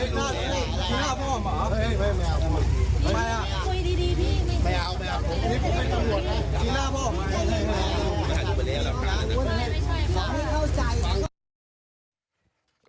ได้สิครับ